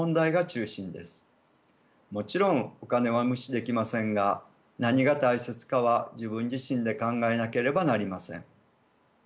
もちろんお金は無視できませんが何が大切かは自分自身で考えなければなりません。